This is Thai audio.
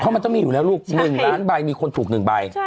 เพราะมันจะมีอยู่แล้วลูก๑ล้านใบมีคนถูก๑ใบ